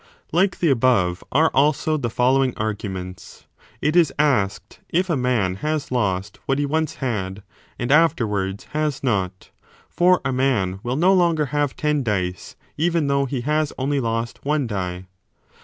Like the above are also the following arguments. It is asked if a man has lost what he once had and afterwards 30 has not : for a man will no longer have ten dice even though he has only lost one die.